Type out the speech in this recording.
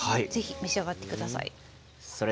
召し上がってください。